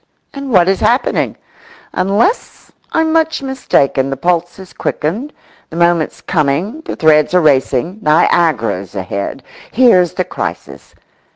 And what is happening? Unless I'm much mistaken, the pulse's quickened, the moment's coming, the threads are racing, Niagara's ahead. Here's the crisis!